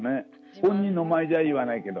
本人の前では言わないけど。